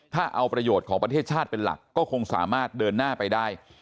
ถ้าเอาประโยชน์ของประเทศชาติเป็นหลักก็คงสามารถเดินหน้าไปได้